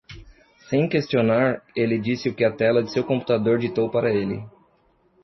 Sem questionar, ele disse o que a tela de seu computador ditou para ele.